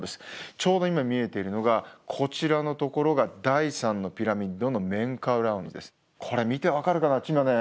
ちょうど今見えているのがこちらのところが第３のピラミッドのメンカウラー王のこれ見て分かるかな？